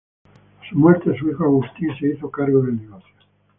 A su muerte, su hijo Agustí se hizo cargo del negocio.